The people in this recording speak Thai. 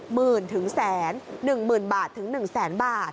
หมื่นถึงแสนหนึ่งหมื่นบาทถึง๑แสนบาท